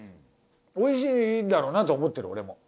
おいしいんだろうなとは思ってる俺も。